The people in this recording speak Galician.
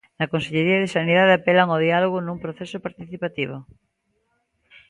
Na Consellería de Sanidade apelan ao diálogo nun proceso participativo.